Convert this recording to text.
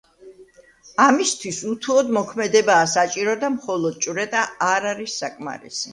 ამისთვის უთუოდ მოქმედებაა საჭირო და მხოლოდ ჭვრეტა არ არის საკმარისი.